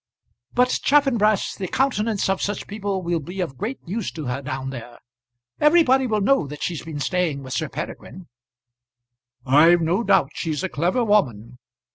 "But, Chaffanbrass, the countenance of such people will be of great use to her down there. Everybody will know that she's been staying with Sir Peregrine." "I've no doubt she's a clever woman."